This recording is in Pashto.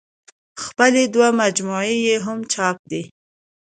خپلې دوه مجموعې يې هم چاپ دي